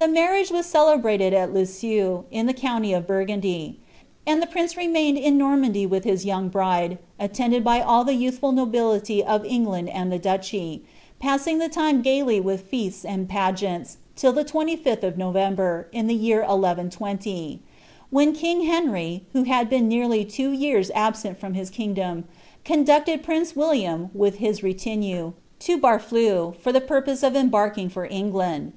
The marriage was celebrated at Lisieus,' in the county o( Burgundy ) and the prince remained in Normandy with his young bride. attended by ail the youthful nobility of England and the dnchy, passing the time gaily with feasts and pageants, till the 2Sth of November, io the year 1120; when king Henry (who liad been nearly two yean absent from his kingdom) conducted prince William, with liia retinne,!') Barflcur,' for the purpose of embarking for England.